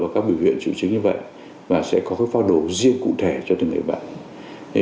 các bệnh viện chịu chứng như vậy và sẽ có cái pháp đồ riêng cụ thể cho từng người bệnh